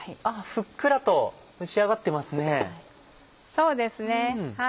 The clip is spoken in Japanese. あぁふっくらと蒸し上がってますね。